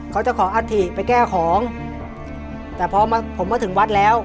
เขาจะขออัฐิไปแก้ของแต่พอมาผมมาถึงวัดแล้ว